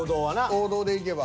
王道でいけば。